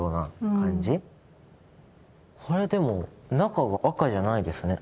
あれでも中が赤じゃないですね。